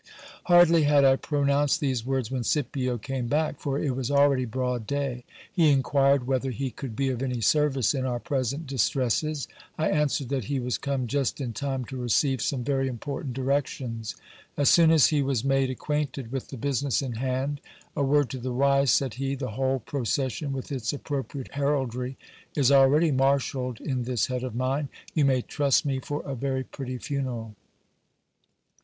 Hardly had I pronounced these words, when Scipio came back ; for it was already broad day. He inquired whether he could be of any service in our present distresses. I answered that he was come just in time to receive some very important directions. As soon as he was made acquainted with the busi ness in hand : A word to the wise ! said he : the whole procession with its ap propriate heraldry is already marshalled in this head of mine ; you may trust me for a very pretty funeral.